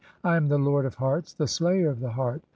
I am the lord of hearts, the "slayer of the heart.